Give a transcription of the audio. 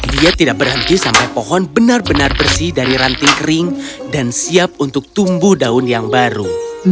dia tidak berhenti sampai pohon benar benar bersih dari ranting kering dan siap untuk tumbuh daun yang baru